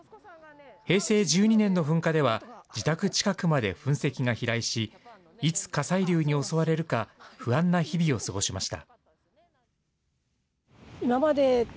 平成１２年の噴火では、自宅近くまで噴石が飛来し、いつ火砕流に襲われるか、不安な日々を過ごしました。